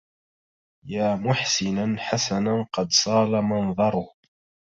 يا محسنا حسنا قد صال منظره